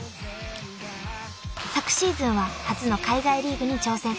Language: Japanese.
［昨シーズンは初の海外リーグに挑戦］